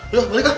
aduh balik lah